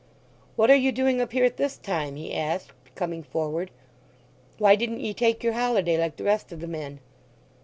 "What are you doing up here at this time?" he asked, coming forward. "Why didn't ye take your holiday like the rest of the men?"